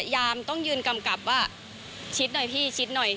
ยามต้องยืนกำกับว่าชิดหน่อยพี่ชิดหน่อย